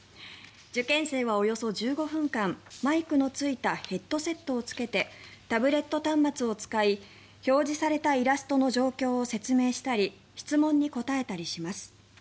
受験生はおよそ１５分間マイクのついたヘッドセットをつけてタブレット端末を使い表示されたイラストの状況を説明したり質問に答えたりします。